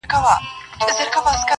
پور د ميني لور دئ.